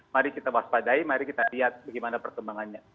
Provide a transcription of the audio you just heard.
mari kita waspadai mari kita lihat bagaimana perkembangannya